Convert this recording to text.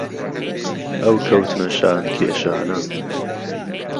ئەو کەوتنە شان کێشانە